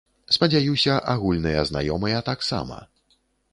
Спадзяюся, агульныя знаёмыя таксама.